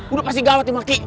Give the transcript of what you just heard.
udah kasih gawat nih maki